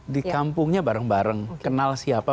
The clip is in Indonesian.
di kampungnya bareng bareng kenal siapa